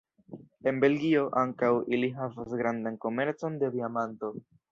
En Belgio ankaŭ ili havas grandan komercon de diamanto.